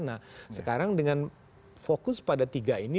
nah sekarang dengan fokus pada tiga ini